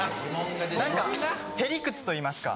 何か屁理屈といいますか。